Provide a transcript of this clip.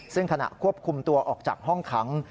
ซึ่งขณะควบคุมตัวออกจากห้องขัง